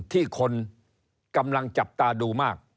ที่คนกำลังจับตาดูมาก